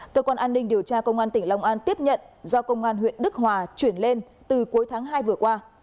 cơ quan an ninh điều tra công an tỉnh long an tiếp nhận do công an huyện đức hòa chuyển lên từ cuối tháng hai vừa qua